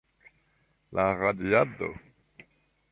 La radiado.